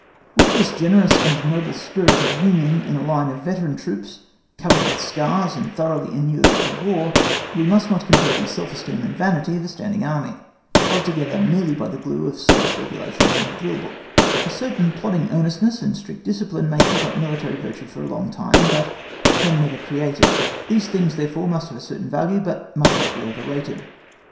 With this generous and noble spirit of union in a line of veteran troops, covered with scars and thoroughly inured to War, we must not compare the self esteem and vanity of a standing Army,(*) held together merely by the glue of service regulations and a drill book; a certain plodding earnestness and strict discipline may keep up military virtue for a long time, but can never create it; these things therefore have a certain value, but must not be over rated.